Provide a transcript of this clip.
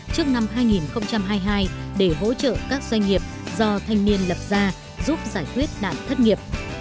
trước năm hai nghìn hai mươi hai để hỗ trợ các doanh nghiệp do thanh niên lập ra giúp giải quyết đạn thất nghiệp